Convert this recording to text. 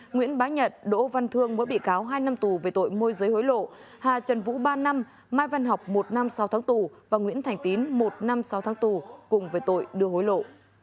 nguyễn bá nhật đỗ văn thương mới bị cáo hai năm tù về tội môi giới hối lộ hà trần vũ ba năm mai văn học một năm sau tháng tù và nguyễn thành tín một năm sáu tháng tù cùng về tội đưa hối lộ